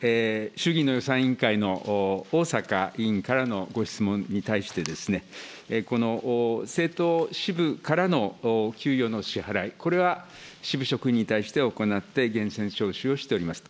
衆議院の予算委員会の逢坂委員からのご質問に対して、この政党支部からの給与の支払い、これは支部職員に対して行って源泉徴収をしております。